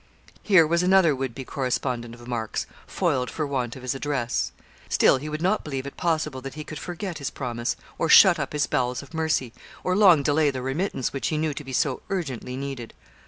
Here was another would be correspondent of Mark's foiled for want of his address. Still he would not believe it possible that he could forget his promise, or shut up his bowels of mercy, or long delay the remittance which he knew to be so urgently needed.